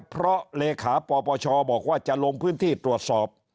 เพราะเลขาปปชบอกว่าจะลงพื้นที่ตรวจสอบ